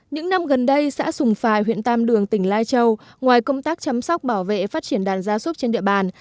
những năm gần đây xã sùng phài huyện tam đường tỉnh lai châu ngoài công tác chăm sóc bảo vệ phát triển đàn gia súc trên địa bàn